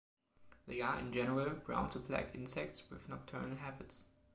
They are, in general, brown to black insects with nocturnal habits.